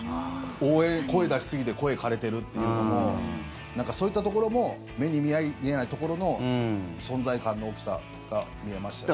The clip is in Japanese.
応援、声出しすぎて声枯れてるっていうのもなんか、そういったところも目に見えないところの存在感の大きさが見えましたね。